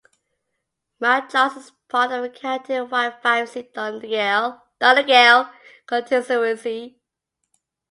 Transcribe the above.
Mountcharles is part of the county-wide five-seat Donegal constituency.